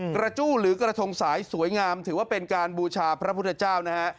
กระจู้หรือกระทงสายสวยงามถือว่าเป็นการบูชาพระพุทธเจ้านะฮะ